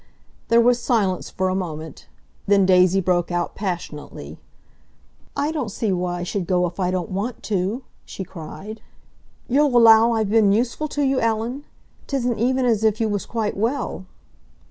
There was silence for a moment, then Daisy broke out passionately, "I don't see why I should go if I don't want to!" she cried. "You'll allow I've been useful to you, Ellen? 'Tisn't even as if you was quite well."